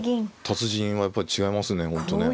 達人はやっぱり違いますね本当ね。